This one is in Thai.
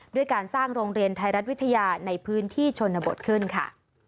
ด้วยการสร้างโรงเรียนไทยรัฐวิทยาในพื้นที่ชนบทขึ้นค่ะ